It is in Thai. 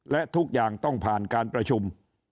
และทุกอย่างต้องผ่านการประชุม